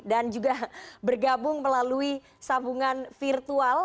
dan juga bergabung melalui sambungan virtual